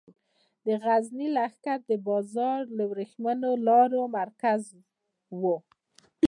د غزني لښکر بازار د ورېښمو لارې مرکز و